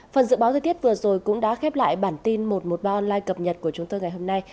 phần dự báo thời tiết vừa rồi cũng đã khép lại bản tin một trăm một mươi ba online cập nhật của chúng tôi ngày hôm nay